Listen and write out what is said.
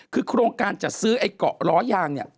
คือโครงการจัดซื้อไอ้เกาะล้อยางเนี่ย